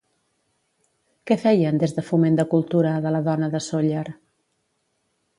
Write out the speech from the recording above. Què feien des de Foment de Cultura de la Dona de Sóller?